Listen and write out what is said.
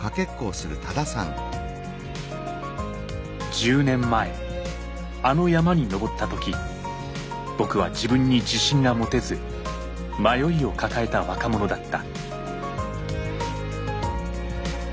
１０年前あの山に登った時僕は自分に自信が持てず迷いを抱えた若者だった。